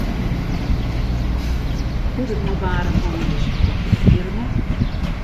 Hoe't it mei Barend gongen is dat wit ik fierder net.